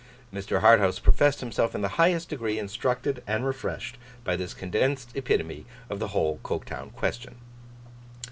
Mr. Harthouse professed himself in the highest degree instructed and refreshed, by this condensed epitome of the whole Coketown question.